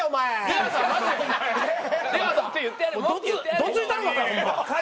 どついたろかホンマ。